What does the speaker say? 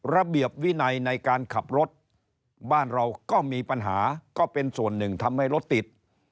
ระเบียบวินัยในการขับรถบ้านเราก็มีปัญหาก็เป็นส่วนหนึ่งทำให้รถติด